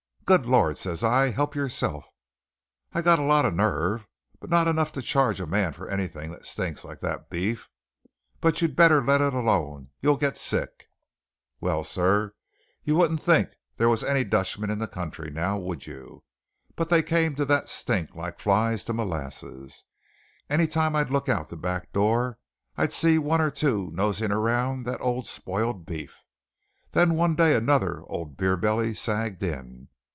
'Good Lord!' says I, 'help yourself. I got a lot of nerve, but not enough to charge a man for anything that stinks like that beef. But you better let it alone; you'll get sick!' Well, sir, you wouldn't think there was any Dutchmen in the country, now would you? but they came to that stink like flies to molasses. Any time I'd look out the back door I'd see one or two nosing around that old spoiled beef. Then one day another old beer belly sagged in.